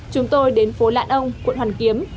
chúng tôi đến phố lạn ông quận hoàn kiếm